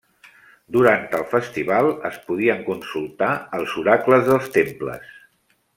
Durant el festival es podien consultar els oracles dels temples.